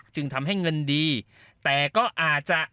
จึงทำให้เงินดีแต่ก็อาจจะ